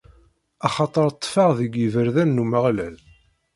Axaṭer ṭṭfeɣ deg yiberdan n Umeɣlal.